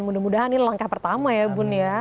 mudah mudahan ini langkah pertama ya bun ya